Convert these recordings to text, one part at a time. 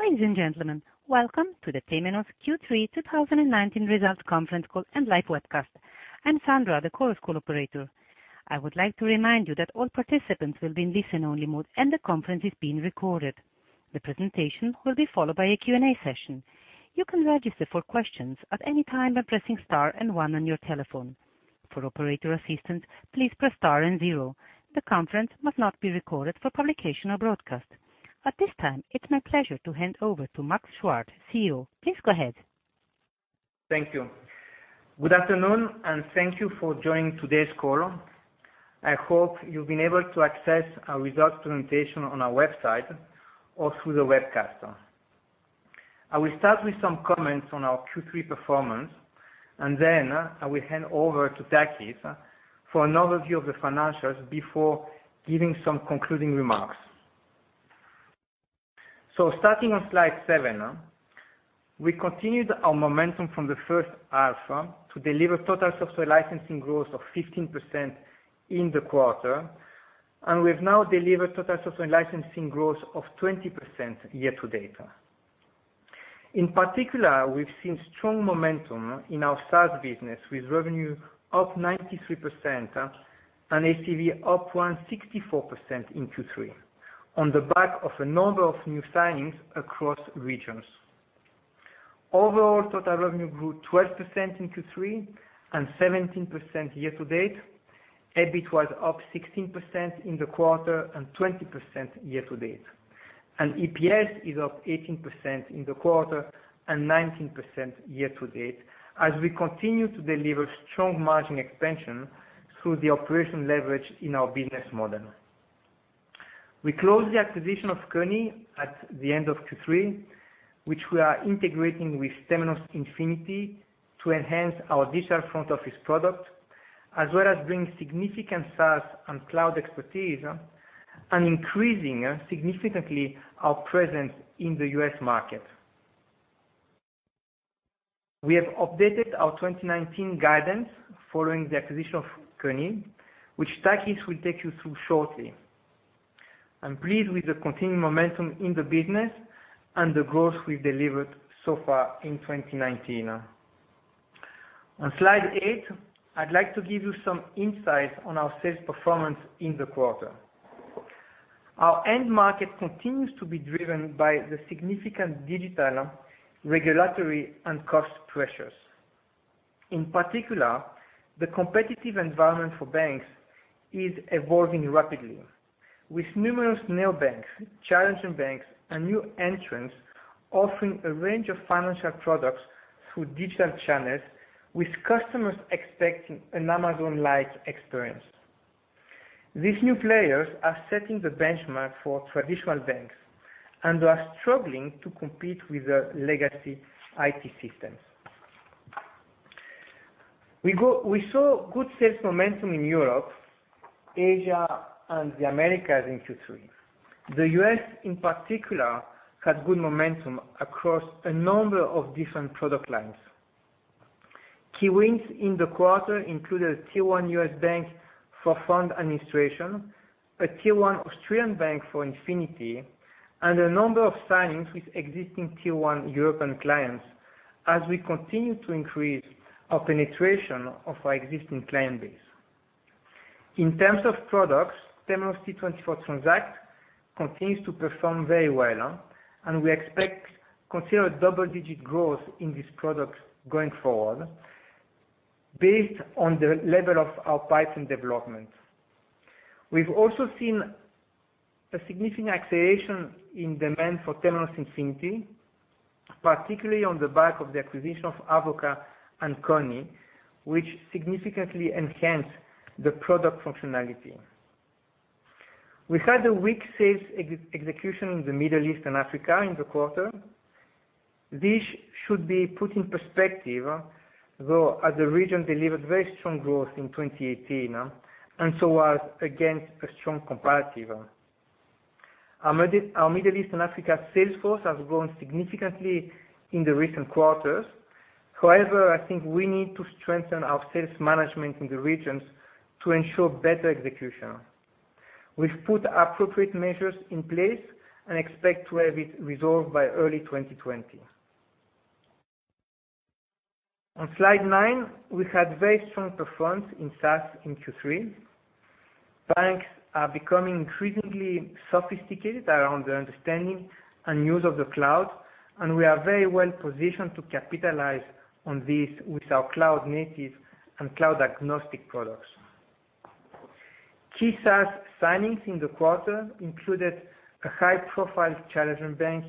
Ladies and gentlemen, welcome to the Temenos Q3 2019 Results Conference Call and live webcast. I'm Sandra, the conference call operator. I would like to remind you that all participants will be in listen-only mode, and the conference is being recorded. The presentation will be followed by a Q&A session. You can register for questions at any time by pressing star and one on your telephone. For operator assistance, please press star and zero. The conference must not be recorded for publication or broadcast. At this time, it's my pleasure to hand over to Max Chuard, CEO. Please go ahead. Thank you. Good afternoon, thank you for joining today's call. I hope you've been able to access our results presentation on our website or through the webcast. I will start with some comments on our Q3 performance, then I will hand over to Takis for an overview of the financials before giving some concluding remarks. Starting on slide seven, we continued our momentum from the first half to deliver total software licensing growth of 15% in the quarter, we've now delivered total software licensing growth of 20% year to date. In particular, we've seen strong momentum in our SaaS business, with revenue up 93% and ACV up 164% in Q3 on the back of a number of new signings across regions. Overall, total revenue grew 12% in Q3 17% year to date. EBIT was up 16% in the quarter 20% year to date. EPS is up 18% in the quarter and 19% year to date as we continue to deliver strong margin expansion through the operating leverage in our business model. We closed the acquisition of Kony at the end of Q3, which we are integrating with Temenos Infinity to enhance our digital front office product, as well as bring significant SaaS and cloud expertise and increasing significantly our presence in the U.S. market. We have updated our 2019 guidance following the acquisition of Kony, which Takis will take you through shortly. I'm pleased with the continued momentum in the business and the growth we've delivered so far in 2019. On slide eight, I'd like to give you some insight on our sales performance in the quarter. Our end market continues to be driven by the significant digital, regulatory, and cost pressures. In particular, the competitive environment for banks is evolving rapidly, with numerous neobanks, challenger banks and new entrants offering a range of financial products through digital channels, with customers expecting an Amazon-like experience. These new players are setting the benchmark for traditional banks and are struggling to compete with the legacy IT systems. We saw good sales momentum in Europe, Asia, and the Americas in Q3. The U.S. in particular had good momentum across a number of different product lines. Key wins in the quarter included a tier 1 U.S. bank for fund administration, a tier 1 Australian bank for Infinity, and a number of signings with existing tier 1 European clients as we continue to increase our penetration of our existing client base. In terms of products, Temenos T24 Transact continues to perform very well. We expect considered double-digit growth in this product going forward based on the level of our pipeline development. We've also seen a significant acceleration in demand for Temenos Infinity, particularly on the back of the acquisition of Avoka and Kony, which significantly enhance the product functionality. We had a weak sales execution in the Middle East and Africa in the quarter. This should be put in perspective, though, as the region delivered very strong growth in 2018 and so was against a strong comparative. Our Middle East and Africa sales force has grown significantly in the recent quarters. I think we need to strengthen our sales management in the regions to ensure better execution. We've put appropriate measures in place and expect to have it resolved by early 2020. On slide nine, we had very strong performance in SaaS in Q3. Banks are becoming increasingly sophisticated around the understanding and use of the cloud, and we are very well positioned to capitalize on this with our cloud-native and cloud-agnostic products. Key SaaS signings in the quarter included a high-profile challenger bank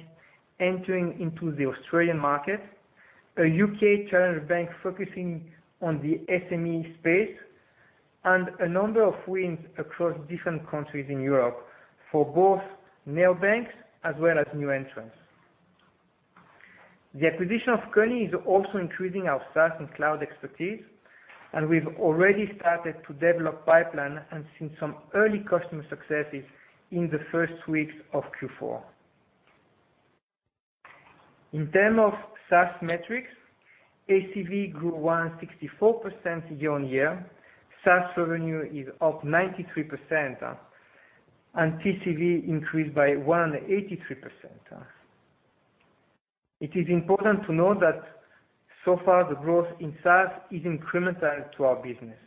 entering into the Australian market, a U.K. challenger bank focusing on the SME space, and a number of wins across different countries in Europe for both neobanks as well as new entrants. The acquisition of Kony is also increasing our SaaS and cloud expertise, and we've already started to develop pipeline and seen some early customer successes in the first weeks of Q4. In terms of SaaS metrics, ACV grew 164% year-over-year, SaaS revenue is up 93%, and TCV increased by 183%. It is important to note that so far the growth in SaaS is incremental to our business.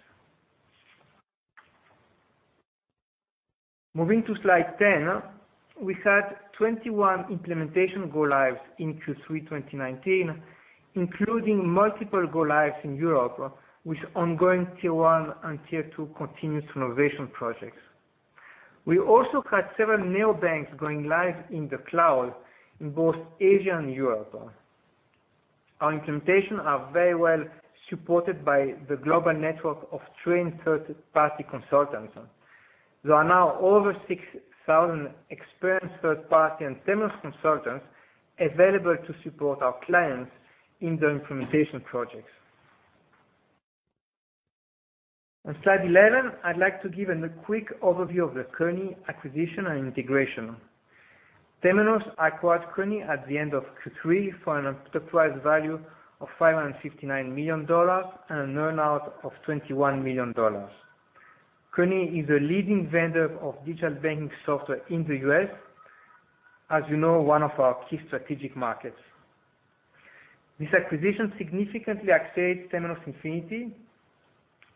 Moving to slide 10, we had 21 implementation go lives in Q3 2019, including multiple go lives in Europe with ongoing tier 1 and tier 2 continuous innovation projects. We also had several neobanks going live in the cloud in both Asia and Europe. Our implementation are very well supported by the global network of trained third-party consultants. There are now over 6,000 experienced third-party and Temenos consultants available to support our clients in their implementation projects. On slide 11, I'd like to give a quick overview of the Kony acquisition and integration. Temenos acquired Kony at the end of Q3 for an enterprise value of $559 million and an earn-out of $21 million. Kony is a leading vendor of digital banking software in the U.S., as you know, one of our key strategic markets. This acquisition significantly accelerates Temenos Infinity,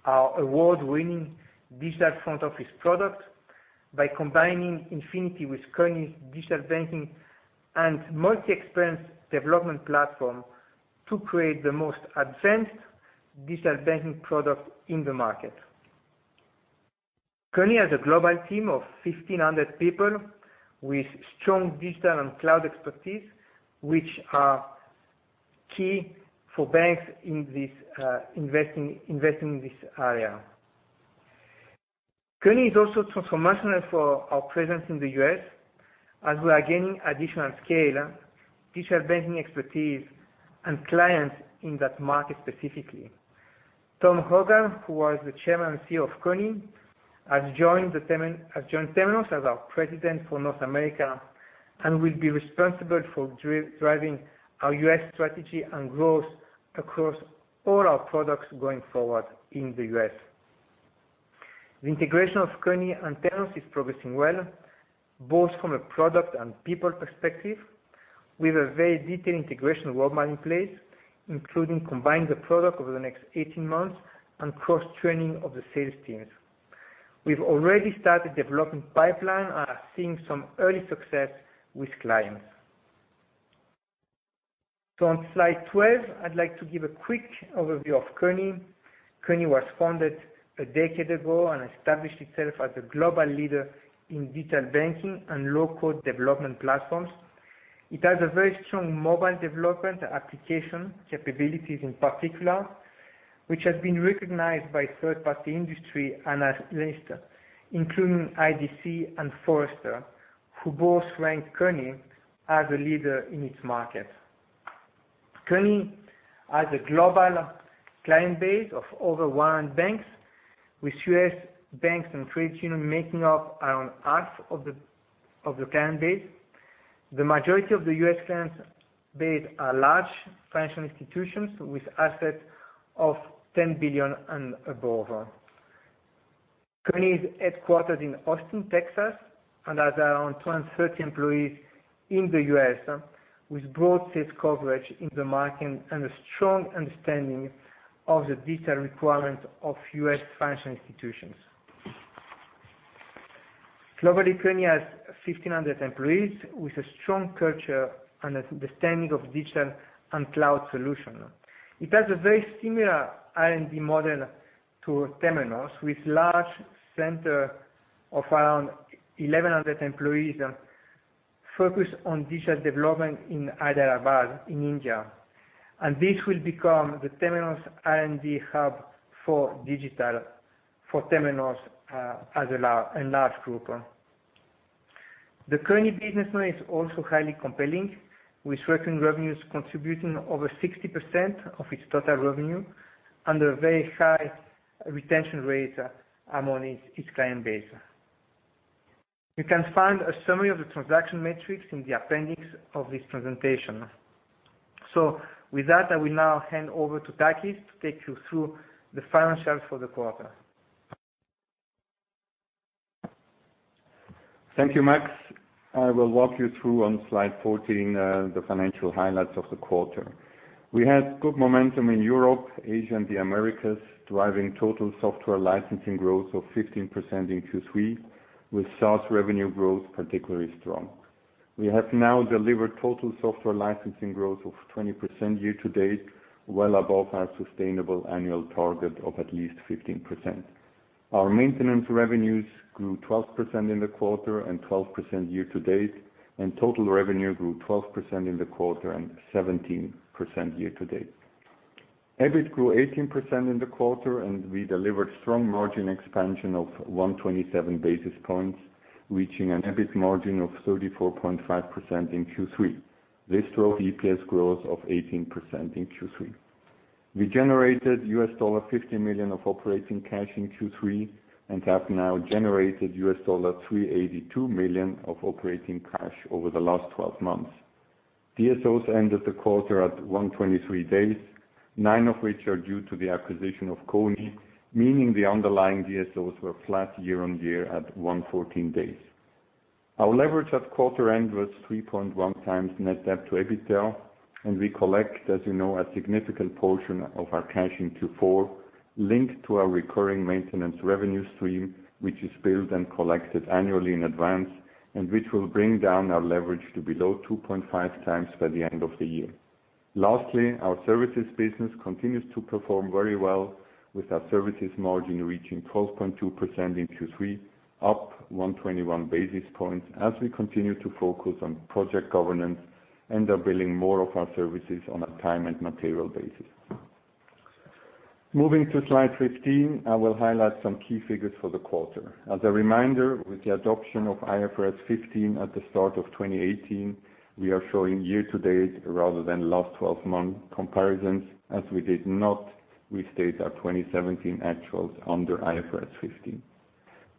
our award-winning digital front office product, by combining Infinity with Kony's digital banking and multi-experience development platform to create the most advanced digital banking product in the market. Kony has a global team of 1,500 people with strong digital and cloud expertise, which are key for banks investing in this area. Kony is also transformational for our presence in the U.S., as we are gaining additional scale, digital banking expertise, and clients in that market specifically. Tom Hogan, who was the chairman and CEO of Kony, has joined Temenos as our President for North America and will be responsible for driving our U.S. strategy and growth across all our products going forward in the U.S. The integration of Kony and Temenos is progressing well, both from a product and people perspective, with a very detailed integration roadmap in place, including combining the product over the next 18 months and cross-training of the sales teams. We've already started development pipeline and are seeing some early success with clients. On slide 12, I'd like to give a quick overview of Kony. Kony was founded a decade ago and established itself as a global leader in digital banking and low-code development platforms. It has a very strong mobile development application capabilities in particular, which has been recognized by third-party industry analysts, including IDC and Forrester, who both ranked Kony as a leader in its market. Kony has a global client base of over 100 banks, with US banks and credit unions making up around half of the client base. The majority of the U.S. clients base are large financial institutions with assets of $10 billion and above. Kony is headquartered in Austin, Texas, and has around 230 employees in the U.S., with broad sales coverage in the market and a strong understanding of the data requirements of U.S. financial institutions. Globally, Kony has 1,500 employees with a strong culture and understanding of digital and cloud solution. It has a very similar R&D model to Temenos, with large center of around 1,100 employees focused on digital development in Hyderabad in India. This will become the Temenos R&D hub for digital for Temenos as a large group. The Kony business model is also highly compelling, with certain revenues contributing over 60% of its total revenue, under very high retention rates among its client base. You can find a summary of the transaction metrics in the appendix of this presentation. With that, I will now hand over to Takis to take you through the financials for the quarter. Thank you, Max. I will walk you through on slide 14 the financial highlights of the quarter. We had good momentum in Europe, Asia, and the Americas, driving total software licensing growth of 15% in Q3, with SaaS revenue growth particularly strong. We have now delivered total software licensing growth of 20% year-to-date, well above our sustainable annual target of at least 15%. Our maintenance revenues grew 12% in the quarter and 12% year-to-date. Total revenue grew 12% in the quarter and 17% year-to-date. EBIT grew 18% in the quarter, and we delivered strong margin expansion of 127 basis points, reaching an EBIT margin of 34.5% in Q3. This drove EPS growth of 18% in Q3. We generated US$50 million of operating cash in Q3. Have now generated US$382 million of operating cash over the last 12 months. DSOs ended the quarter at 123 days, nine of which are due to the acquisition of Kony, meaning the underlying DSOs were flat year-on-year at 114 days. Our leverage at quarter end was 3.1 times net debt to EBITDA, and we collect, as you know, a significant portion of our cash in Q4, linked to our recurring maintenance revenue stream, which is billed and collected annually in advance, and which will bring down our leverage to below 2.5 times by the end of the year. Lastly, our services business continues to perform very well, with our services margin reaching 12.2% in Q3, up 121 basis points as we continue to focus on project governance and are billing more of our services on a time and material basis. Moving to slide 15, I will highlight some key figures for the quarter. As a reminder, with the adoption of IFRS 15 at the start of 2018, we are showing year to date rather than last 12 month comparisons, as we did not restate our 2017 actuals under IFRS 15.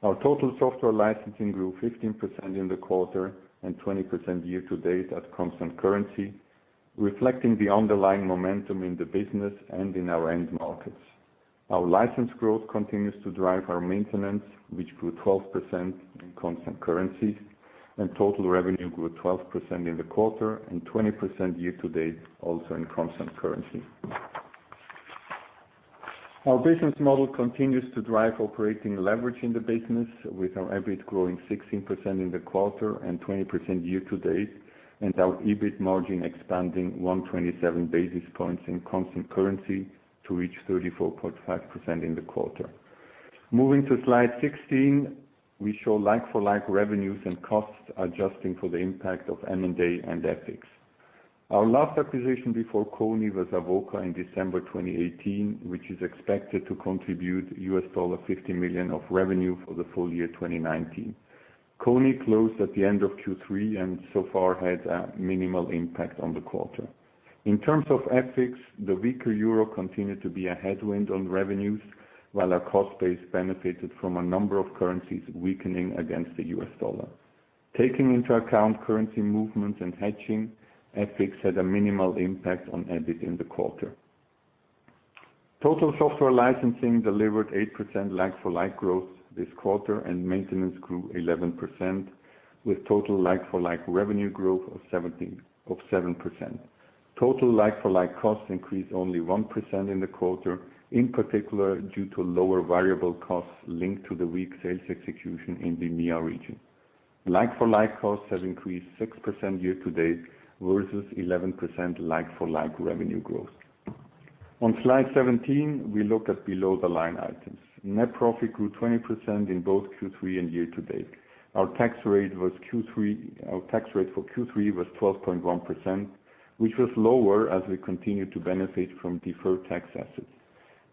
Our total software licensing grew 15% in the quarter and 20% year to date at constant currency, reflecting the underlying momentum in the business and in our end markets. Our license growth continues to drive our maintenance, which grew 12% in constant currency, and total revenue grew 12% in the quarter and 20% year to date, also in constant currency. Our business model continues to drive operating leverage in the business, with our EBIT growing 16% in the quarter and 20% year to date, and our EBIT margin expanding 127 basis points in constant currency to reach 34.5% in the quarter. Moving to slide 16, we show like-for-like revenues and costs, adjusting for the impact of M&A and FX. Our last acquisition before Kony was Avoka in December 2018, which is expected to contribute $50 million of revenue for the full year 2019. Kony closed at the end of Q3 and so far had a minimal impact on the quarter. In terms of FX, the weaker euro continued to be a headwind on revenues, while our cost base benefited from a number of currencies weakening against the US dollar. Taking into account currency movements and hedging, FX had a minimal impact on EBIT in the quarter. Total software licensing delivered 8% like-for-like growth this quarter, and maintenance grew 11%, with total like-for-like revenue growth of 7%. Total like-for-like costs increased only 1% in the quarter, in particular due to lower variable costs linked to the weak sales execution in the EMEA region. Like-for-like costs have increased 6% year to date versus 11% like-for-like revenue growth. On slide 17, we look at below the line items. Net profit grew 20% in both Q3 and year to date. Our tax rate for Q3 was 12.1%, which was lower as we continued to benefit from deferred tax assets.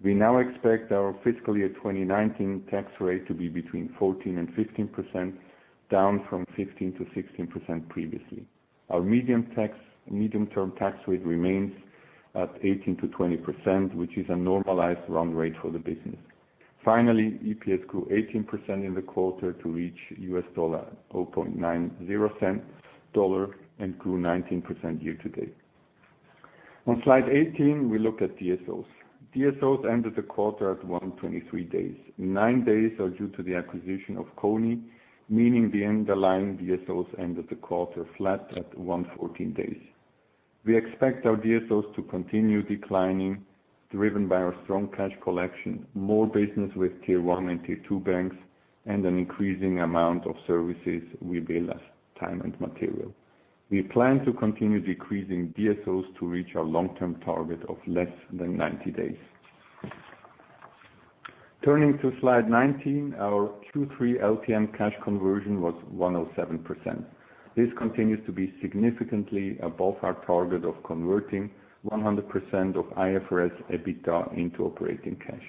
We now expect our fiscal year 2019 tax rate to be between 14% and 15%, down from 15%-16% previously. Our medium term tax rate remains at 18%-20%, which is a normalized run rate for the business. Finally, EPS grew 18% in the quarter to reach $0.90 and grew 19% year to date. On slide 18, we look at DSOs. DSOs ended the quarter at 123 days. Nine days are due to the acquisition of Kony, meaning the underlying DSOs ended the quarter flat at 114 days. We expect our DSOs to continue declining, driven by our strong cash collection, more business with Tier 1 and Tier 2 banks, and an increasing amount of services we bill as time and material. We plan to continue decreasing DSOs to reach our long-term target of less than 90 days. Turning to slide 19, our Q3 LTM cash conversion was 107%. This continues to be significantly above our target of converting 100% of IFRS EBITDA into operating cash.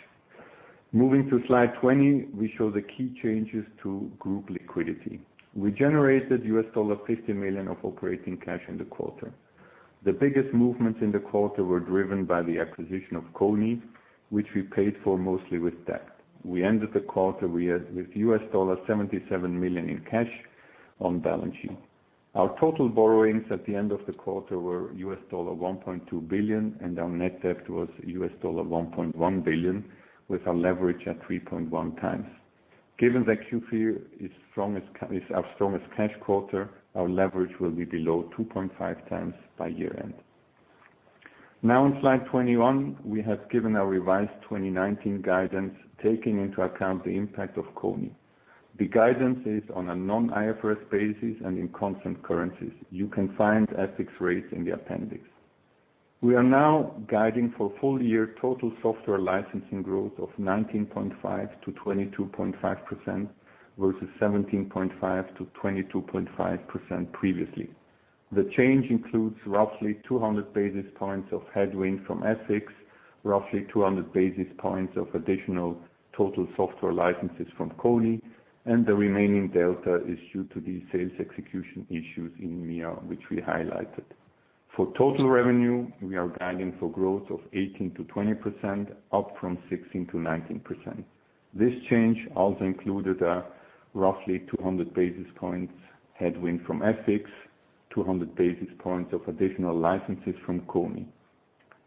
Moving to slide 20, we show the key changes to group liquidity. We generated $50 million of operating cash in the quarter. The biggest movements in the quarter were driven by the acquisition of Kony, which we paid for mostly with debt. We ended the quarter with US$77 million in cash on balance sheet. Our total borrowings at the end of the quarter were US$1.2 billion, and our net debt was US$1.1 billion, with our leverage at 3.1 times. Given that Q3 is our strongest cash quarter, our leverage will be below 2.5 times by year end. In slide 21, we have given our revised 2019 guidance, taking into account the impact of Kony. The guidance is on a non-IFRS basis and in constant currencies. You can find FX rates in the appendix. We are now guiding for full year total software licensing growth of 19.5%-22.5%, versus 17.5%-22.5% previously. The change includes roughly 200 basis points of headwind from FX, roughly 200 basis points of additional total software licenses from Kony and the remaining delta is due to the sales execution issues in EMEA, which we highlighted. For total revenue, we are guiding for growth of 18%-20%, up from 16%-19%. This change also included a roughly 200 basis points headwind from FX, 200 basis points of additional licenses from Kony.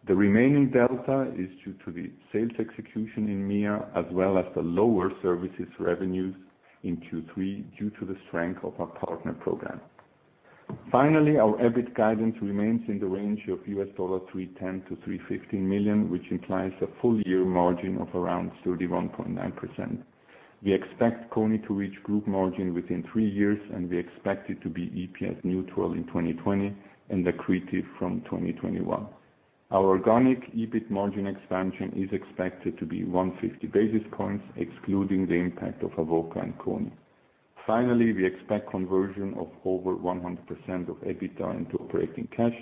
The remaining delta is due to the sales execution in EMEA, as well as the lower services revenues in Q3 due to the strength of our partner program. Finally, our EBIT guidance remains in the range of $310 million-$315 million, which implies a full year margin of around 31.9%. We expect Kony to reach group margin within three years, and we expect it to be EPS neutral in 2020 and accretive from 2021. Our organic EBIT margin expansion is expected to be 150 basis points, excluding the impact of Avoka and Kony. Finally, we expect conversion of over 100% of EBITDA into operating cash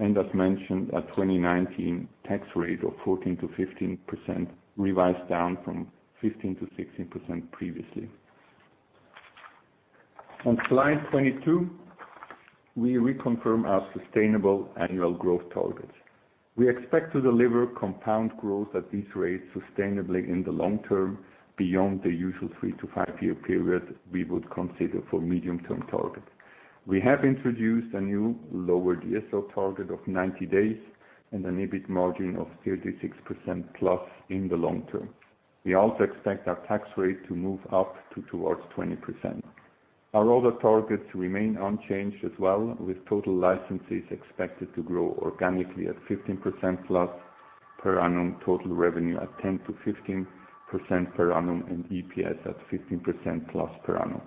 and as mentioned, a 2019 tax rate of 14%-15% revised down from 15%-16% previously. On slide 22, we reconfirm our sustainable annual growth targets. We expect to deliver compound growth at these rates sustainably in the long term, beyond the usual 3-5-year period we would consider for medium-term target. We have introduced a new lower DSO target of 90 days and an EBIT margin of 36% plus in the long term. We also expect our tax rate to move up to towards 20%. Our other targets remain unchanged as well, with total licenses expected to grow organically at 15% plus per annum, total revenue at 10%-15% per annum, and EPS at 15% plus per annum.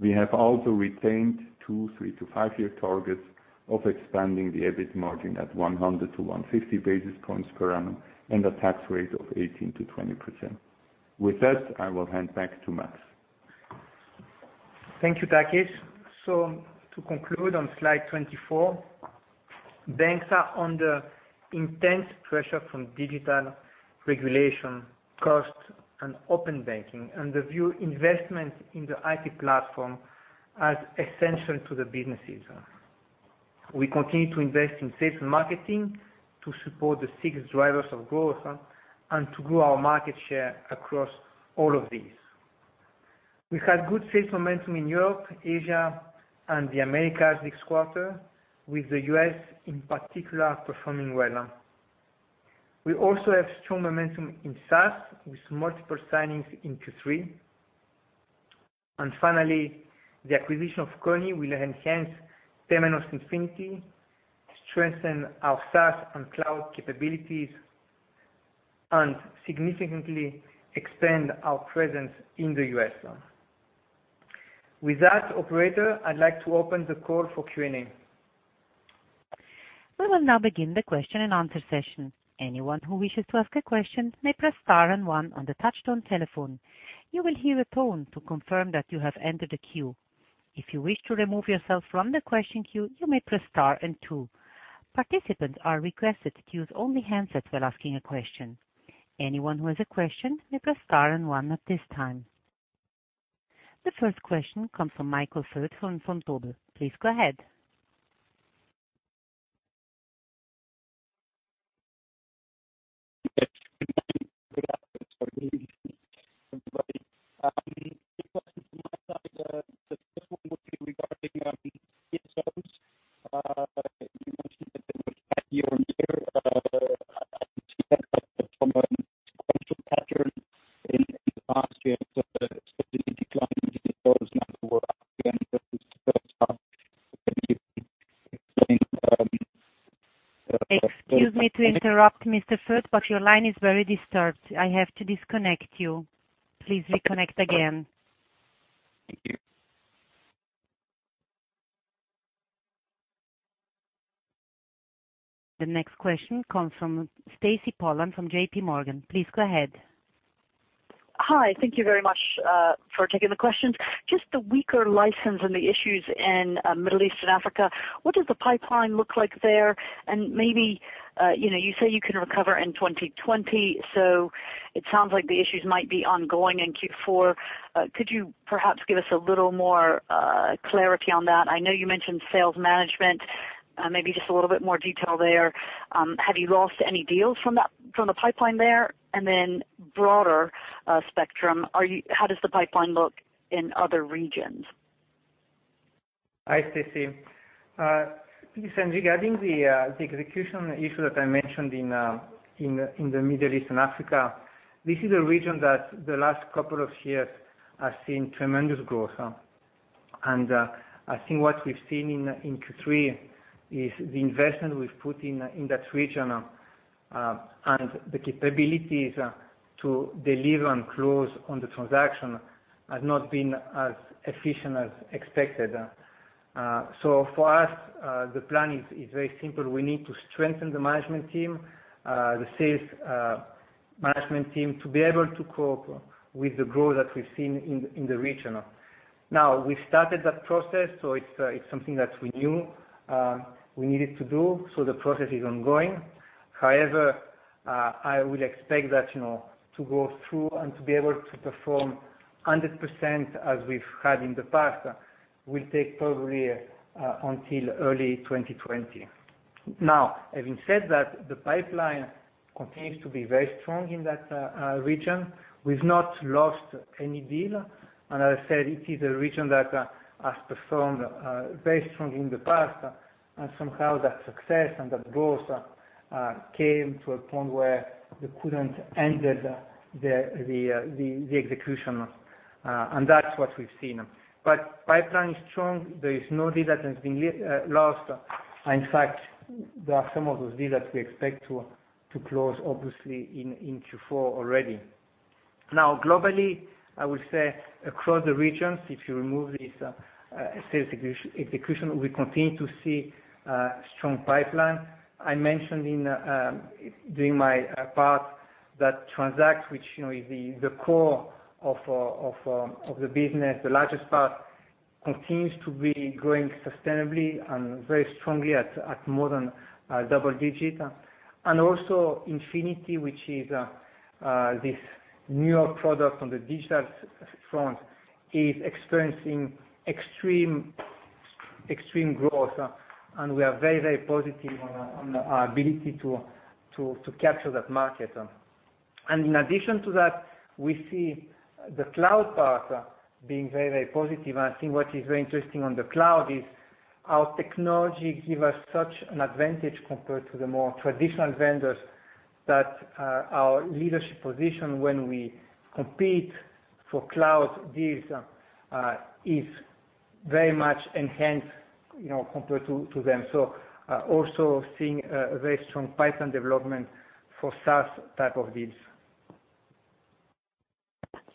We have also retained two 3-5-year targets of expanding the EBIT margin at 100-150 basis points per annum and a tax rate of 18%-20%. With that, I will hand back to Max. Thank you, Takis. To conclude on slide 24, banks are under intense pressure from digital regulation, cost, and open banking, and they view investments in the IT platform as essential to their businesses. We continue to invest in sales and marketing to support the six drivers of growth and to grow our market share across all of these. We had good sales momentum in Europe, Asia, and the Americas this quarter, with the U.S. in particular performing well. We also have strong momentum in SaaS with multiple signings in Q3. Finally, the acquisition of Kony will enhance Temenos Infinity, strengthen our SaaS and cloud capabilities, and significantly expand our presence in the U.S. With that, operator, I'd like to open the call for Q&A. We will now begin the question and answer session. Anyone who wishes to ask a question may press star and one on the touch-tone telephone. You will hear a tone to confirm that you have entered a queue. If you wish to remove yourself from the question queue, you may press star and two. Participants are requested to use only handsets while asking a question. Anyone who has a question may press star and one at this time. The first question comes from Michael Briest from UBS. Please go ahead. Good afternoon. Two questions from my side. The first one would be regarding ESO. You mentioned that they were flat year-over-year. I can see that from a pattern in the past year, certainly declining Excuse me to interrupt, Mr. Briest, your line is very disturbed. I have to disconnect you. Please reconnect again. Thank you. The next question comes from Stacy Pollard from JPMorgan. Please go ahead. Hi. Thank you very much for taking the questions. Just the weaker license and the issues in Middle East and Africa, what does the pipeline look like there? Maybe, you say you can recover in 2020, it sounds like the issues might be ongoing in Q4. Could you perhaps give us a little more clarity on that? I know you mentioned sales management, maybe just a little bit more detail there. Have you lost any deals from the pipeline there? Then broader spectrum, how does the pipeline look in other regions? Hi, Stacy. Listen, regarding the execution issue that I mentioned in the Middle East and Africa, this is a region that the last couple of years has seen tremendous growth. I think what we've seen in Q3 is the investment we've put in that region and the capabilities to deliver and close on the transaction has not been as efficient as expected. For us, the plan is very simple. We need to strengthen the management team, the sales management team, to be able to cope with the growth that we've seen in the region. We started that process. It's something that we knew we needed to do. The process is ongoing. I will expect that to go through and to be able to perform 100% as we've had in the past, will take probably until early 2020. Now, having said that, the pipeline continues to be very strong in that region. We've not lost any deal, and as I said, it is a region that has performed very strongly in the past. Somehow, that success and that growth came to a point where we couldn't handle the execution. That's what we've seen. Pipeline is strong. There is no deal that has been lost. In fact, there are some of those deals that we expect to close, obviously, in Q4 already. Now, globally, I would say across the regions, if you remove this sales execution, we continue to see a strong pipeline. I mentioned during my part that Transact, which is the core of the business, the largest part, continues to be growing sustainably and very strongly at more than double-digit. Also Temenos Infinity, which is this newer product on the digital front, is experiencing extreme growth. We are very positive on our ability to capture that market. In addition to that, we see the cloud part being very positive. I think what is very interesting on the cloud is our technology give us such an advantage compared to the more traditional vendors, that our leadership position when we compete for cloud deals is very much enhanced compared to them. Also seeing a very strong pipeline development for SaaS type of deals.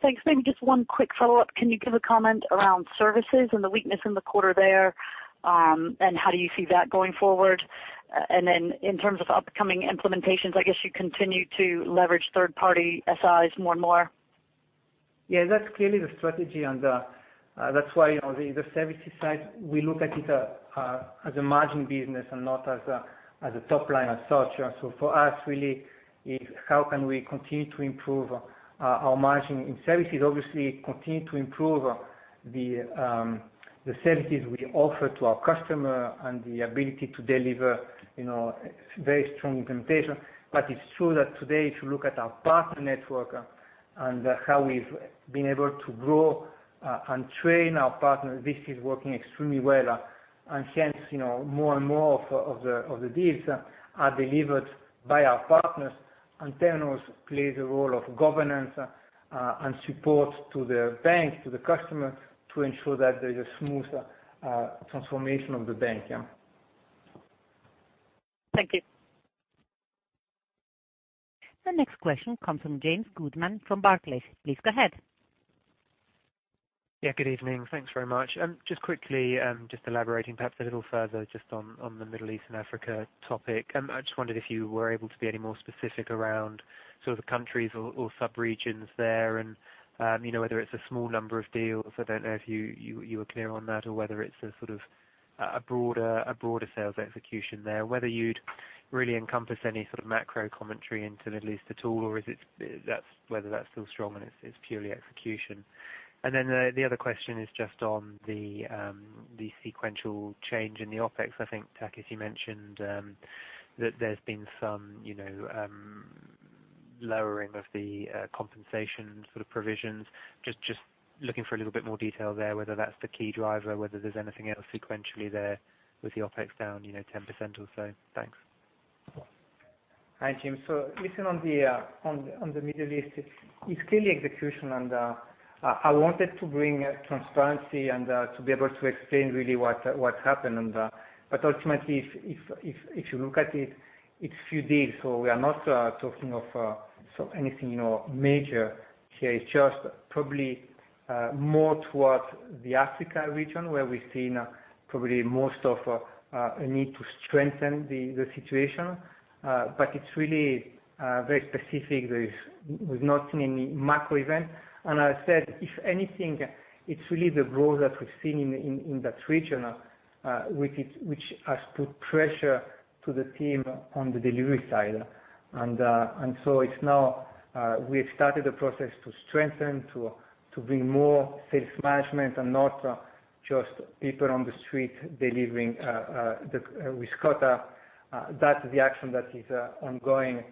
Thanks. Maybe just one quick follow-up. Can you give a comment around services and the weakness in the quarter there? How do you see that going forward? Then in terms of upcoming implementations, I guess you continue to leverage third party SIs more and more. Yeah, that's clearly the strategy. That's why on the services side, we look at it as a margin business and not as a top line as such. For us, really, it's how can we continue to improve our margin in services. Obviously, continue to improve the services we offer to our customer and the ability to deliver very strong implementation. It's true that today, if you look at our partner network and how we've been able to grow and train our partners, this is working extremely well. Hence, more and more of the deals are delivered by our partners. Temenos plays a role of governance and support to the bank, to the customer to ensure that there's a smooth transformation of the bank. Thank you. The next question comes from James Goodman from Barclays. Please go ahead. Good evening. Thanks very much. Just quickly, elaborating perhaps a little further on the Middle East and Africa topic. I just wondered if you were able to be any more specific around the countries or sub-regions there, and whether it's a small number of deals. I don't know if you were clear on that or whether it's a broader sales execution there. Whether you'd really encompass any macro commentary into Middle East at all, or whether that's still strong and it's purely execution. The other question is just on the sequential change in the OpEx. I think, Takis, you mentioned that there's been some lowering of the compensation provisions. Just looking for a little bit more detail there, whether that's the key driver, whether there's anything else sequentially there with the OpEx down 10% or so. Thanks. Hi, James. Listen on the Middle East, it's clearly execution, and I wanted to bring transparency and to be able to explain really what happened. Ultimately, if you look at it's few deals. We are not talking of anything major here. It's just probably more towards the Africa region where we've seen probably most of a need to strengthen the situation. It's really very specific. We've not seen any macro event. As I said, if anything, it's really the growth that we've seen in that region, which has put pressure to the team on the delivery side. It's now we have started a process to strengthen, to bring more sales management and not just people on the street delivering risk quota. That's the action that is ongoing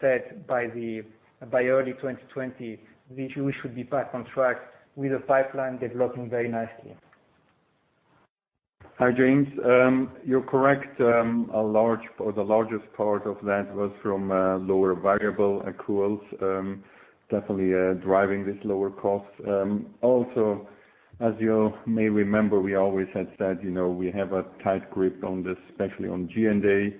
set by early 2020, which we should be back on track with the pipeline developing very nicely. Hi, James. You're correct. The largest part of that was from lower variable accruals definitely driving this lower cost. Also, as you may remember, we always had said we have a tight grip on this, especially on G&A.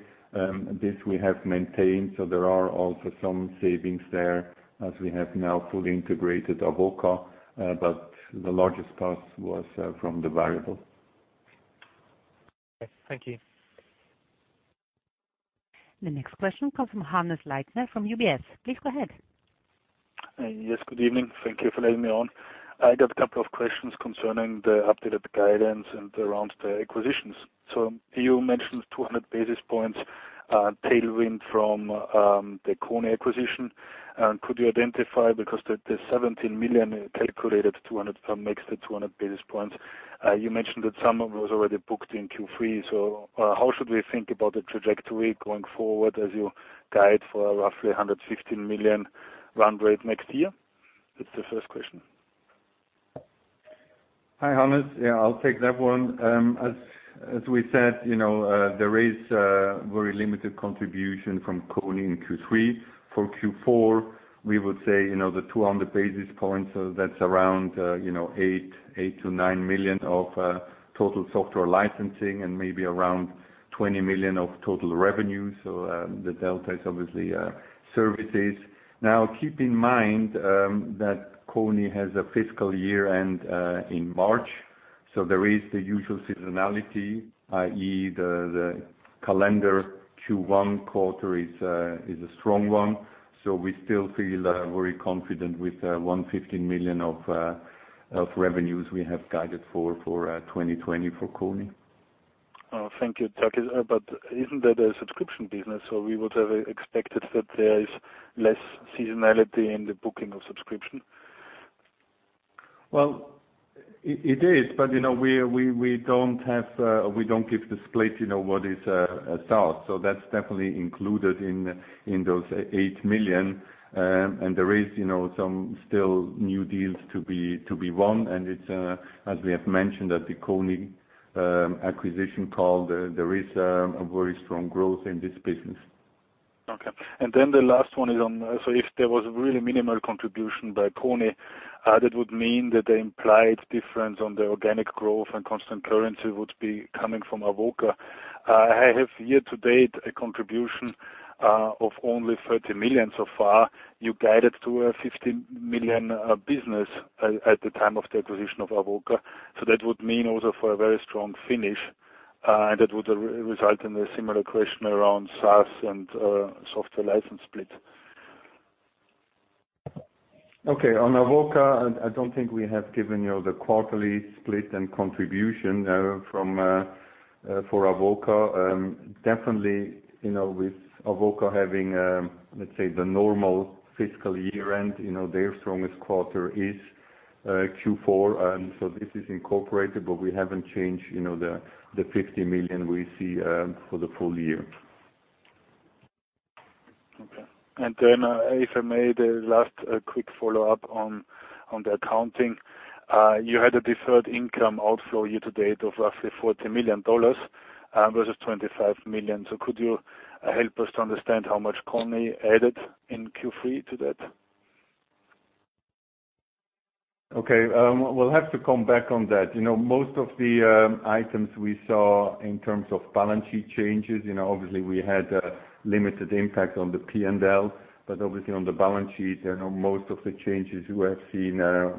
This we have maintained, so there are also some savings there as we have now fully integrated Avoka. The largest cost was from the variable. Okay. Thank you. The next question comes from Hannes Leitner from UBS. Please go ahead. Yes, good evening. Thank you for letting me on. I have a couple of questions concerning the updated guidance and around the acquisitions. You mentioned 200 basis points tailwind from the Kony acquisition. Could you identify, because the 17 million calculated 200 from next to 200 basis points. You mentioned that some of it was already booked in Q3, so how should we think about the trajectory going forward as you guide for a roughly 115 million run rate next year? That is the first question. Hi, Hannes. Yeah, I'll take that one. As we said, there is very limited contribution from Kony in Q3. For Q4, we would say, the 200 basis points, so that's around 8 million to 9 million of total software licensing and maybe around 20 million of total revenue. The delta is obviously services. Keep in mind that Kony has a fiscal year-end in March, so there is the usual seasonality, i.e., the calendar Q1 quarter is a strong one. We still feel very confident with 115 million of revenues we have guided for 2020 for Kony. Oh, thank you, Takis. Isn't that a subscription business, so we would have expected that there is less seasonality in the booking of subscription? Well, it is, we don't give the split, what is SaaS. That's definitely included in those 8 million. There is some still new deals to be won. It's, as we have mentioned at the Kony acquisition call, there is a very strong growth in this business. Okay. The last one is on, if there was a really minimal contribution by Kony, that would mean that the implied difference on the organic growth and constant currency would be coming from Avoka. I have year-to-date a contribution of only $30 million so far. You guided to a $15 million business at the time of the acquisition of Avoka. That would mean also for a very strong finish, that would result in a similar question around SaaS and software license split. On Avoka, I don't think we have given you the quarterly split and contribution for Avoka. Definitely, with Avoka having, let's say, the normal fiscal year-end, their strongest quarter is Q4. This is incorporated, but we haven't changed the $50 million we see for the full year. Okay. If I may, the last quick follow-up on the accounting. You had a deferred income outflow year-to-date of roughly $40 million versus $25 million. Could you help us to understand how much Kony added in Q3 to that? Okay. We'll have to come back on that. Most of the items we saw in terms of balance sheet changes, obviously we had a limited impact on the P&L, but obviously on the balance sheet, most of the changes we have seen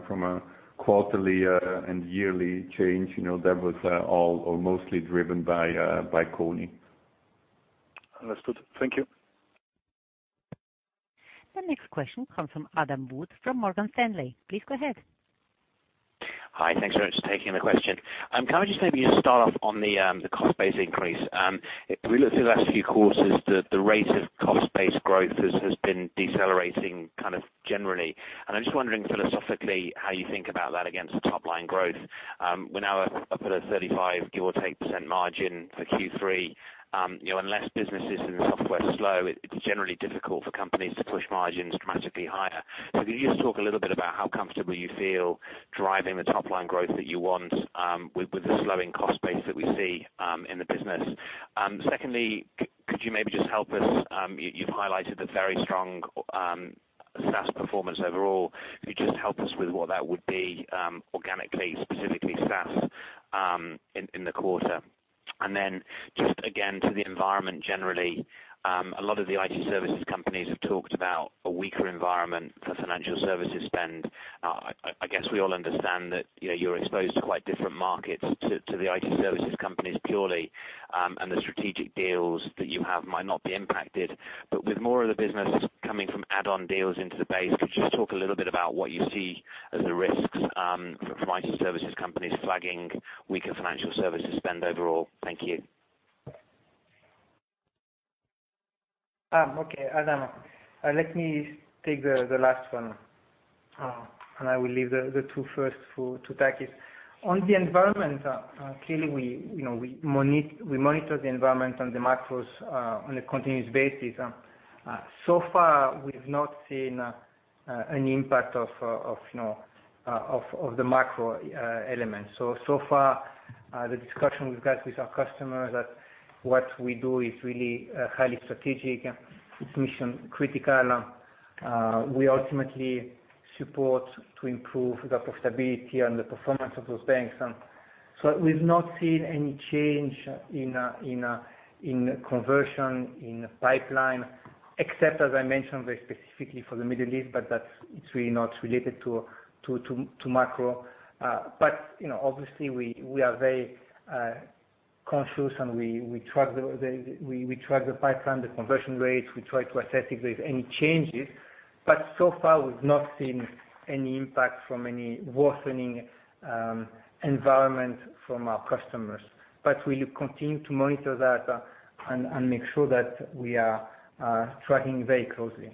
from a quarterly and yearly change, that was all or mostly driven by Kony. Understood. Thank you. The next question comes from Adam Wood from Morgan Stanley. Please go ahead. Hi. Thanks very much for taking the question. Can I just maybe just start off on the cost base increase? If we look through the last few quarters, the rate of cost-based growth has been decelerating generally. I'm just wondering philosophically how you think about that against top line growth. We're now up at a 35% give or take margin for Q3. Unless businesses and software slow, it's generally difficult for companies to push margins dramatically higher. Could you just talk a little bit about how comfortable you feel driving the top line growth that you want with the slowing cost base that we see in the business? Secondly, could you maybe just help us, you've highlighted the very strong SaaS performance overall. Could you just help us with what that would be organically, specifically SaaS, in the quarter? Then just again, to the environment generally, a lot of the IT services companies have talked about a weaker environment for financial services spend. I guess we all understand that you're exposed to quite different markets to the IT services companies purely, and the strategic deals that you have might not be impacted. With more of the business coming from add-on deals into the base, could you just talk a little bit about what you see as the risks from IT services companies flagging weaker financial services spend overall? Thank you. Okay, Adam. Let me take the last one, and I will leave the two first for Takis. On the environment, clearly we monitor the environment on the macros on a continuous basis. So far we've not seen an impact of the macro elements. So far the discussion we've got with our customers that what we do is really highly strategic. It's mission critical. We ultimately support to improve the profitability and the performance of those banks. We've not seen any change in conversion in the pipeline. Except as I mentioned very specifically for the Middle East, but that's really not related to macro. Obviously, we are very conscious, and we track the pipeline, the conversion rates. We try to assess if there's any changes. So far, we've not seen any impact from any worsening environment from our customers. We'll continue to monitor that and make sure that we are tracking very closely.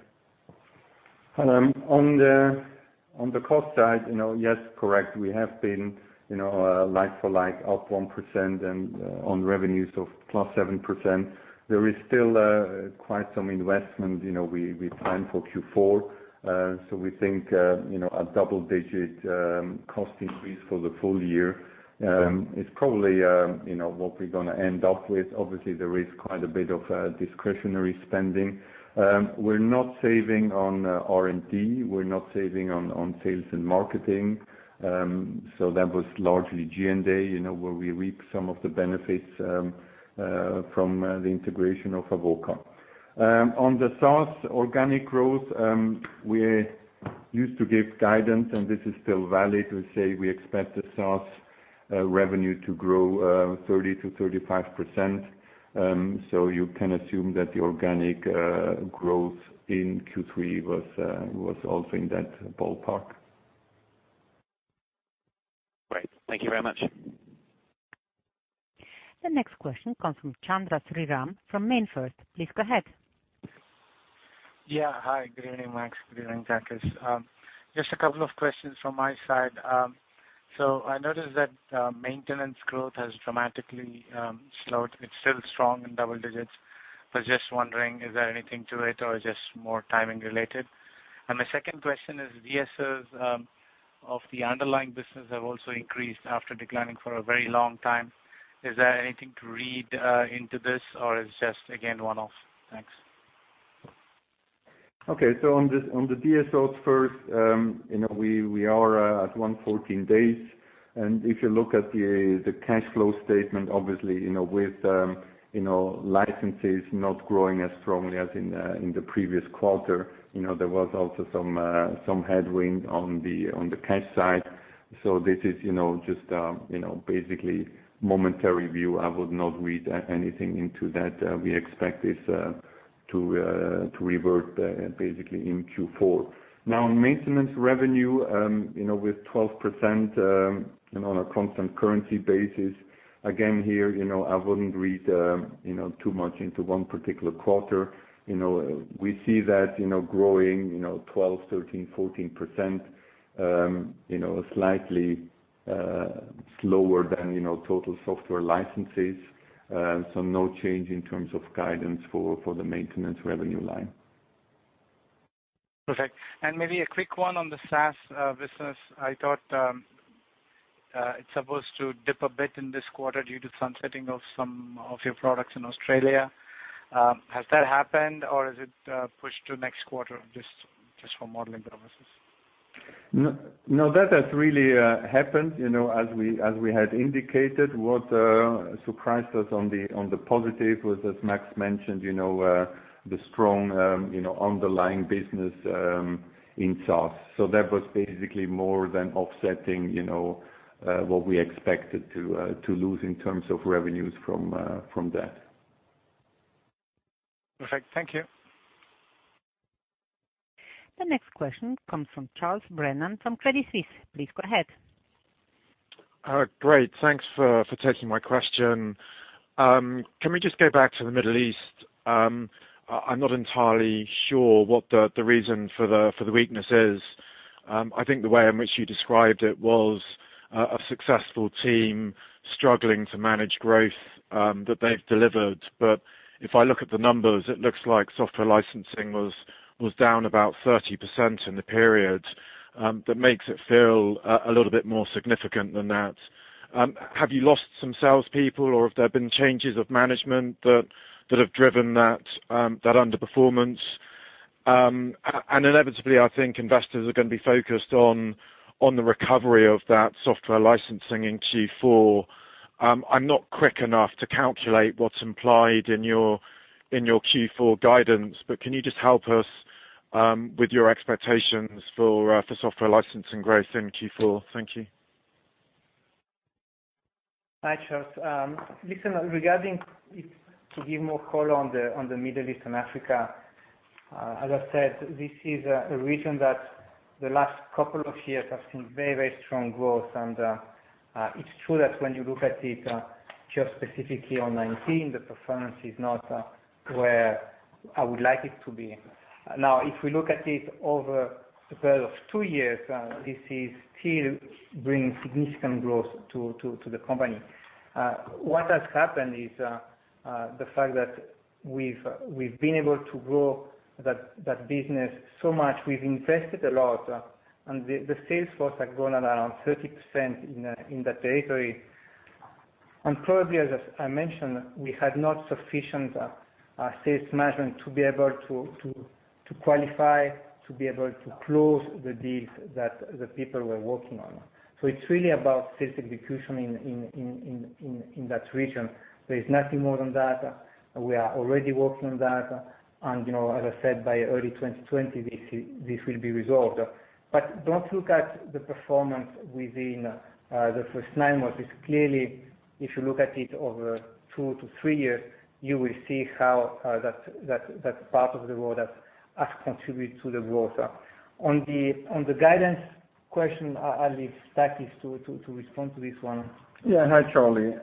On the cost side, yes, correct. We have been like for like up 1% and on revenues of plus 7%. There is still quite some investment we planned for Q4. We think a double-digit cost increase for the full year. It's probably what we're going to end up with. There is quite a bit of discretionary spending. We're not saving on R&D. We're not saving on sales and marketing. That was largely G&A, where we reap some of the benefits from the integration of Avoka. On the SaaS organic growth, we used to give guidance, and this is still valid to say we expect the SaaS revenue to grow 30%-35%. You can assume that the organic growth in Q3 was also in that ballpark. Great. Thank you very much. The next question comes from Chandra Sriram from MainFirst. Please go ahead. Yeah. Hi, good evening, Max. Good evening, Takis. Just a couple of questions from my side. I noticed that maintenance growth has dramatically slowed. It's still strong in double digits, but just wondering, is there anything to it or just more timing related? My second question is DSOs of the underlying business have also increased after declining for a very long time. Is there anything to read into this or is it just, again, one-off? Thanks. Okay. On the DSOs first, we are at 114 days. If you look at the cash flow statement, obviously, with licenses not growing as strongly as in the previous quarter, there was also some headwind on the cash side. This is just basically momentary view. I would not read anything into that. We expect this to revert basically in Q4. On maintenance revenue, with 12% on a constant currency basis, again here, I wouldn't read too much into one particular quarter. We see that growing 12%, 13%, 14%, slightly slower than total software licenses. No change in terms of guidance for the maintenance revenue line. Perfect. Maybe a quick one on the SaaS business. I thought it's supposed to dip a bit in this quarter due to sunsetting of some of your products in Australia. Has that happened or is it pushed to next quarter, just for modeling purposes? No. That has really happened, as we had indicated. What surprised us on the positive was, as Max mentioned, the strong underlying business in SaaS. That was basically more than offsetting what we expected to lose in terms of revenues from that. Perfect. Thank you. The next question comes from Charles Brennan from Credit Suisse. Please go ahead. Great. Thanks for taking my question. Can we just go back to the Middle East? I'm not entirely sure what the reason for the weakness is. I think the way in which you described it was a successful team struggling to manage growth that they've delivered. If I look at the numbers, it looks like software licensing was down about 30% in the period. That makes it feel a little bit more significant than that. Have you lost some salespeople, or have there been changes of management that have driven that underperformance? Inevitably, I think investors are going to be focused on the recovery of that software licensing in Q4. I'm not quick enough to calculate what's implied in your Q4 guidance, but can you just help us with your expectations for software licensing growth in Q4? Thank you. Hi, Charles. Listen, regarding it, to give more color on the Middle East and Africa. As I said, this is a region that the last couple of years has seen very, very strong growth. It's true that when you look at it just specifically on 2019, the performance is not where I would like it to be. Now, if we look at it over the period of two years, this is still bringing significant growth to the company. What has happened is the fact that we've been able to grow that business so much. We've invested a lot, and the sales force has grown at around 30% in that territory. Probably, as I mentioned, we had not sufficient sales management to be able to qualify, to be able to close the deals that the people were working on. It's really about sales execution in that region. There is nothing more than that. We are already working on that, and as I said, by early 2020, this will be resolved. Don't look at the performance within the first nine months. It's clearly, if you look at it over two to three years, you will see how that part of the world has contributed to the growth. On the guidance question, I'll leave Takis to respond to this one. Hi, Charlie.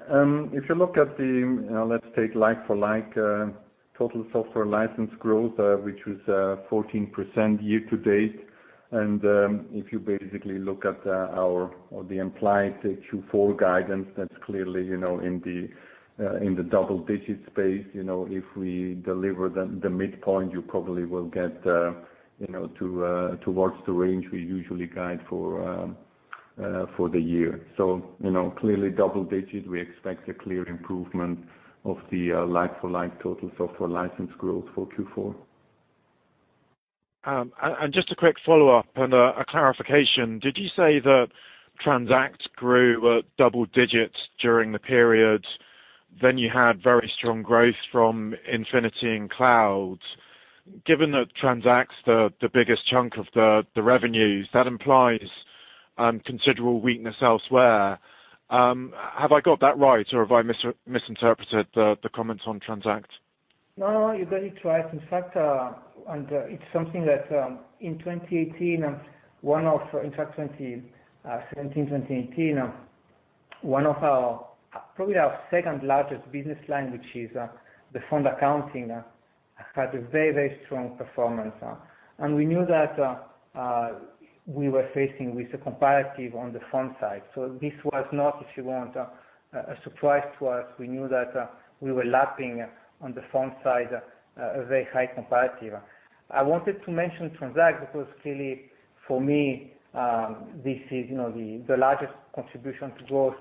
If you look at the, let's take like-for-like, total software license growth, which was 14% year-to-date. If you basically look at the implied Q4 guidance, that's clearly in the double-digit space. If we deliver the midpoint, you probably will get towards the range we usually guide for the year. Clearly double digits, we expect a clear improvement of the like-for-like total software license growth for Q4. Just a quick follow-up and a clarification. Did you say that Transact grew at double digits during the period? Then you had very strong growth from Infinity and Cloud. Given that Transact's the biggest chunk of the revenues, that implies considerable weakness elsewhere. Have I got that right, or have I misinterpreted the comments on Transact? No, you got it right. In fact, it's something that in 2018, one of our, probably our second largest business line, which is the fund accounting, had a very strong performance. We knew that we were facing with a comparative on the fund side. This was not, if you want, a surprise to us. We knew that we were lapping on the fund side a very high comparative. I wanted to mention Transact because clearly, for me, this is the largest contribution to growth.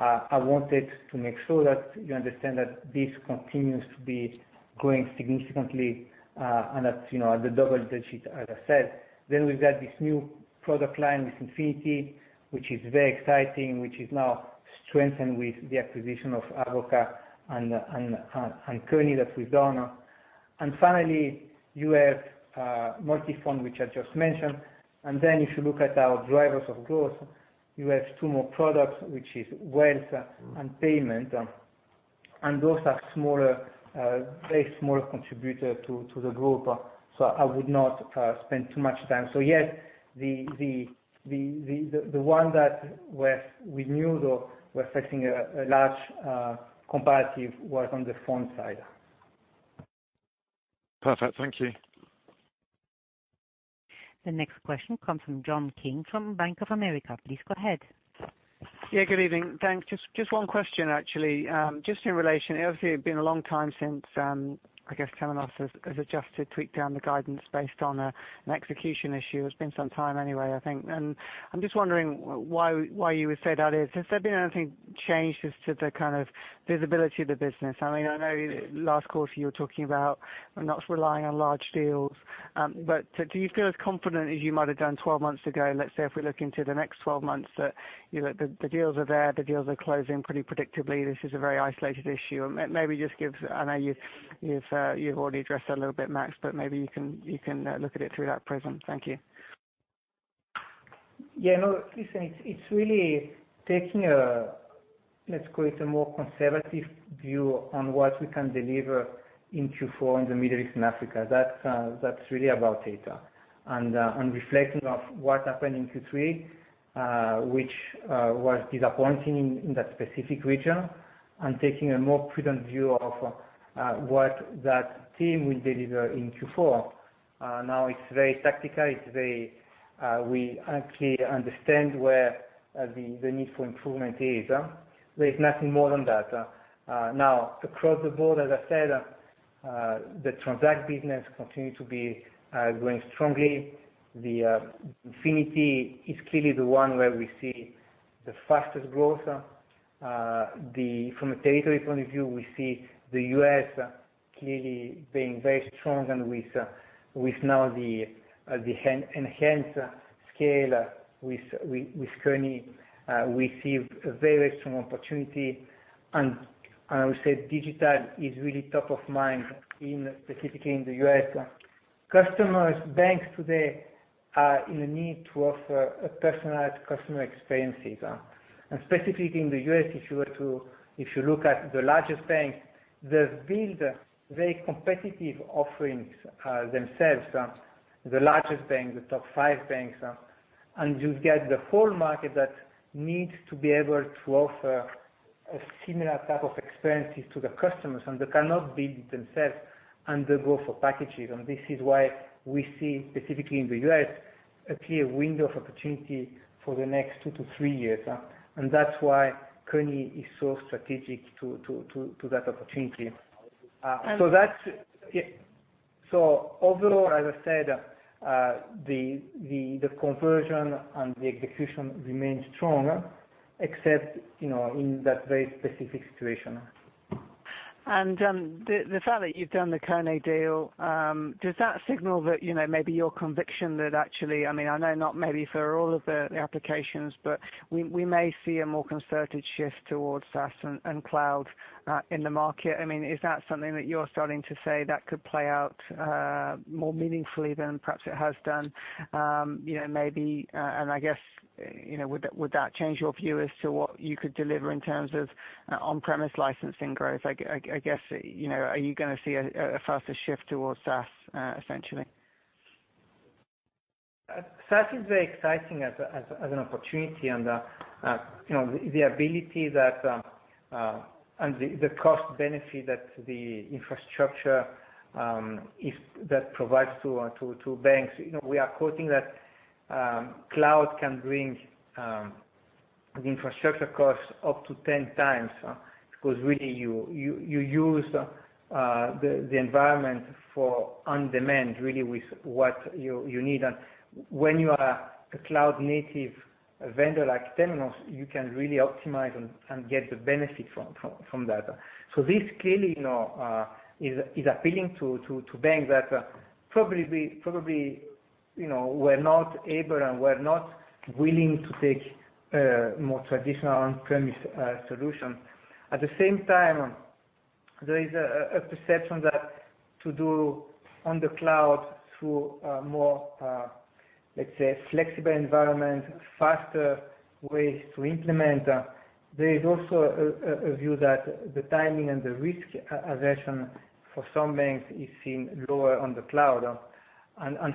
I wanted to make sure that you understand that this continues to be growing significantly, and at the double digits, as I said. We've got this new product line with Infinity, which is very exciting, which is now strengthened with the acquisition of Avoka and Kony that we've done. Finally, you have Multifonds, which I just mentioned. Then if you look at our drivers of growth, you have two more products, which is Wealth and Payment. Those are very small contributor to the group. I would not spend too much time. Yes, the one that we knew though, we're facing a large comparative was on the fund side. Perfect. Thank you. The next question comes from John King from Bank of America. Please go ahead. Yeah, good evening. Thanks. Just one question, actually. Just in relation, obviously, it's been a long time since, I guess, Temenos has adjusted, tweaked down the guidance based on an execution issue. It's been some time anyway, I think. I'm just wondering why you would say that is. Has there been anything changed as to the kind of visibility of the business? I know last quarter you were talking about not relying on large deals. Do you feel as confident as you might have done 12 months ago, let's say, if we look into the next 12 months, that the deals are there, the deals are closing pretty predictably, this is a very isolated issue? Maybe just give I know you've already addressed that a little bit, Max, but maybe you can look at it through that prism. Thank you. Listen, it's really taking a, let's call it a more conservative view on what we can deliver in Q4 in the Middle East and Africa. That's really about it. Reflecting of what happened in Q3, which was disappointing in that specific region, and taking a more prudent view of what that team will deliver in Q4. It's very tactical. We actually understand where the need for improvement is. There's nothing more than that. Across the board, as I said, the Transact business continue to be growing strongly. The Infinity is clearly the one where we see the fastest growth. From a territory point of view, we see the U.S. clearly being very strong. With now the enhanced scale with Kony, we see a very strong opportunity. I would say digital is really top of mind specifically in the U.S. Customers, banks today are in a need to offer a personalized customer experiences. Specifically in the U.S., if you look at the largest banks, they've built very competitive offerings themselves, the largest banks, the top 5 banks. You get the whole market that needs to be able to offer a similar type of experiences to the customers, and they cannot build it themselves, and they go for packages. This is why we see, specifically in the U.S., a clear window of opportunity for the next 2 to 3 years. That's why Kony is so strategic to that opportunity. Overall, as I said, the conversion and the execution remains strong, except in that very specific situation. The fact that you've done the Kony deal, does that signal that maybe your conviction that actually, I know not maybe for all of the applications, but we may see a more concerted shift towards SaaS and cloud in the market? Is that something that you're starting to say that could play out more meaningfully than perhaps it has done? Would that change your view as to what you could deliver in terms of on-premise licensing growth? Are you going to see a faster shift towards SaaS essentially? SaaS is very exciting as an opportunity, and the ability and the cost benefit that the infrastructure that provides to our banks. We are quoting that cloud can bring the infrastructure costs up to 10 times because really you use the environment for on-demand, really with what you need. When you are a cloud-native vendor like Temenos, you can really optimize and get the benefit from that. This clearly is appealing to banks that probably were not able and were not willing to take more traditional on-premise solutions. At the same time, there is a perception that to do on the cloud through a more, let's say, flexible environment, faster ways to implement. There is also a view that the timing and the risk aversion for some banks is seen lower on the cloud.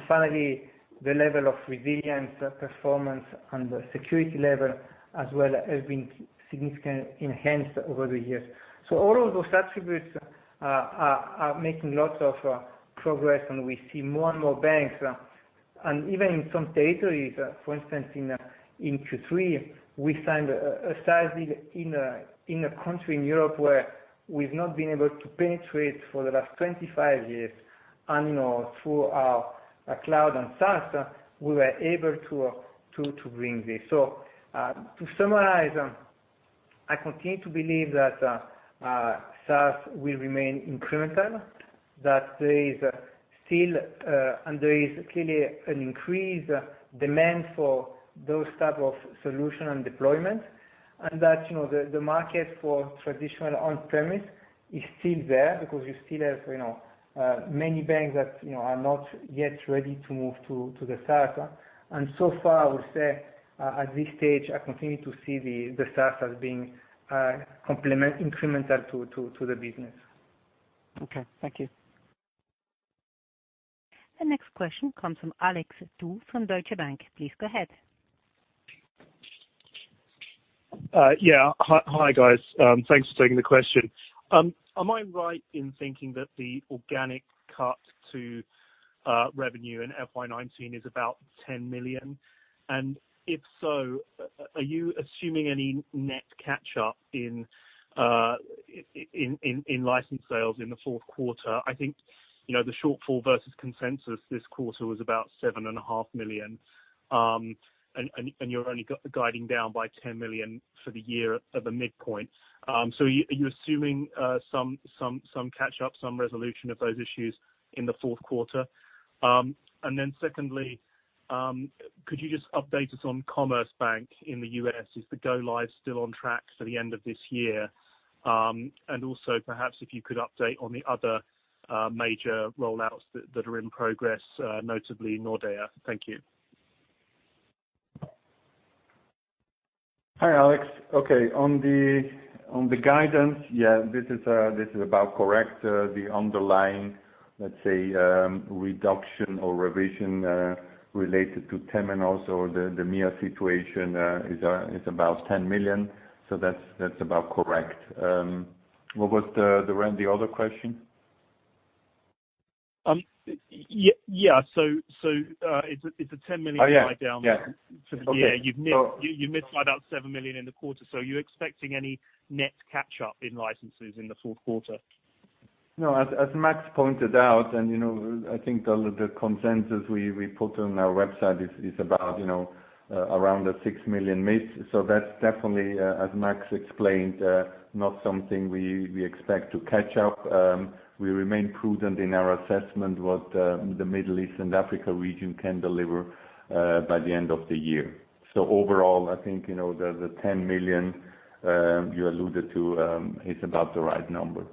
Finally, the level of resilience, performance and the security level as well has been significantly enhanced over the years. All of those attributes are making lots of progress, and we see more and more banks. Even in some territories, for instance, in Q3, we signed a sizing in a country in Europe where we've not been able to penetrate for the last 25 years. Through our cloud and SaaS, we were able to bring this. To summarize, I continue to believe that SaaS will remain incremental, that there is still and there is clearly an increased demand for those type of solution and deployment, and that the market for traditional on-premise is still there because you still have many banks that are not yet ready to move to the SaaS. So far, I would say at this stage, I continue to see the SaaS as being incremental to the business. Okay. Thank you. The next question comes from Alex Du from Deutsche Bank. Please go ahead. Hi, guys. Thanks for taking the question. Am I right in thinking that the organic cut to revenue in FY 2019 is about 10 million? If so, are you assuming any net catch-up in license sales in the fourth quarter? I think the shortfall versus consensus this quarter was about $7 and a half million. You're only guiding down by $10 million for the year at the midpoint. Are you assuming some catch-up, some resolution of those issues in the fourth quarter? Secondly, could you just update us on Commerce Bank in the U.S., is the go live still on track for the end of this year? Also perhaps if you could update on the other major rollouts that are in progress notably Nordea. Thank you. Hi, Alex. Okay, on the guidance, yeah, this is about correct. The underlying, let's say, reduction or revision related to Temenos or the MEA situation is about 10 million. That's about correct. What was the other question? Yeah. It's a 10 million slide down. Oh, yeah. Yeah. Okay. You've missed by about $7 million in the quarter. Are you expecting any net catch-up in licenses in the fourth quarter? No, as Max pointed out, and I think the consensus we put on our website is about around a 6 million miss. That's definitely, as Max explained, not something we expect to catch up. We remain prudent in our assessment what the Middle East and Africa region can deliver by the end of the year. Overall, I think, the 10 million you alluded to is about the right number.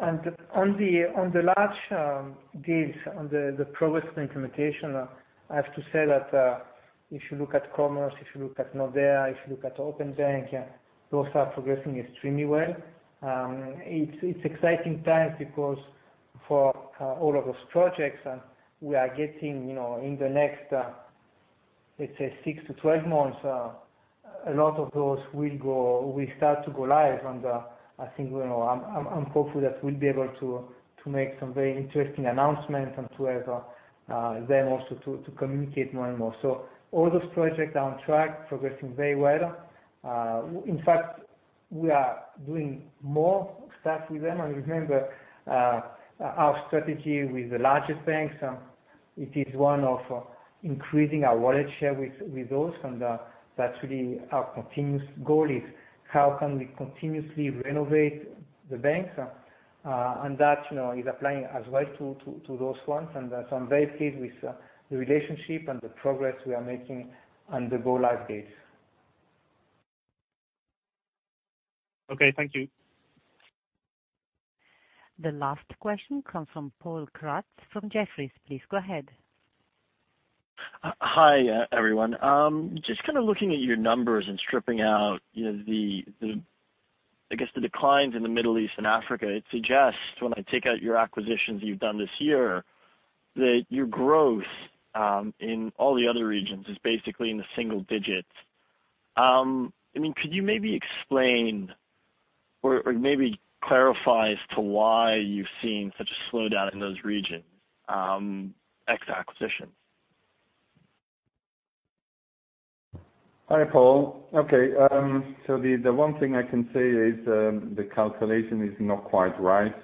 On the large deals, on the progress and implementation, I have to say that if you look at Commerce, if you look at Nordea, if you look at Openbank, those are progressing extremely well. It's exciting times because for all of those projects, we are getting in the next, let's say 6-12 months, a lot of those will start to go live, and I'm hopeful that we'll be able to make some very interesting announcements and to have them also to communicate more and more. All those projects are on track, progressing very well. In fact, we are doing more stuff with them. Remember our strategy with the larger banks, it is one of increasing our wallet share with those, and that's really our continuous goal is how can we continuously renovate-The banks. That is applying as well to those ones. I'm very pleased with the relationship and the progress we are making and the go-live dates. Okay, thank you. The last question comes from Paul Kratz from Jefferies. Please go ahead. Hi, everyone. Just kind of looking at your numbers and stripping out the declines in the Middle East and Africa, it suggests when I take out your acquisitions that you've done this year, that your growth in all the other regions is basically in the single digits. Could you maybe explain or maybe clarify as to why you've seen such a slowdown in those regions, ex acquisition? Hi, Paul. Okay. The one thing I can say is, the calculation is not quite right.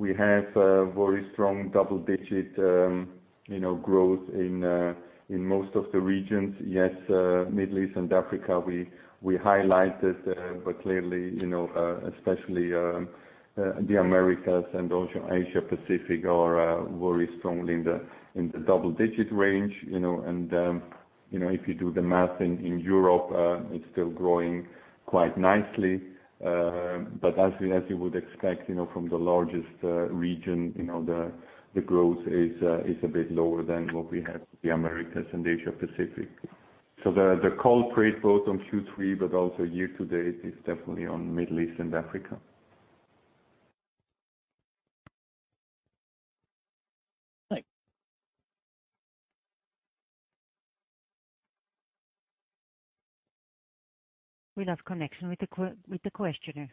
We have very strong double-digit growth in most of the regions. Yes, Middle East and Africa, we highlighted, but clearly, especially the Americas and also Asia Pacific are very strongly in the double-digit range. If you do the math in Europe, it's still growing quite nicely. As you would expect from the largest region, the growth is a bit lower than what we have in the Americas and Asia Pacific. The cold trade both on Q3 but also year-to-date is definitely on Middle East and Africa. Thanks. We lost connection with the questioner.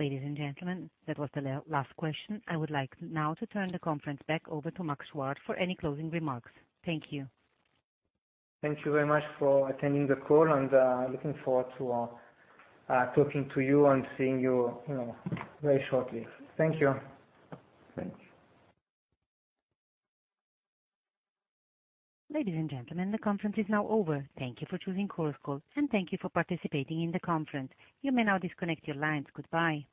Ladies and gentlemen, that was the last question. I would like now to turn the conference back over to Max Chuard for any closing remarks. Thank you. Thank you very much for attending the call, and looking forward to talking to you and seeing you very shortly. Thank you. Thanks. Ladies and gentlemen, the conference is now over. Thank you for choosing Chorus Call, and thank you for participating in the conference. You may now disconnect your lines. Goodbye.